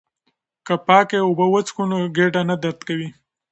که پاکې اوبه وڅښو نو ګېډه نه درد کوي.